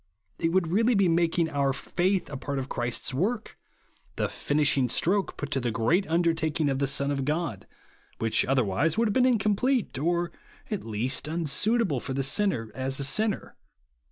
It would really be making our faith a part of Christ's work, — the finishing stroke put to the great undertaking of the Son of God, which, otherwise, would have been incom plete, or, at least, unsuitable for the sinner, as a sinner.